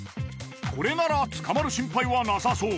これなら捕まる心配はなさそう。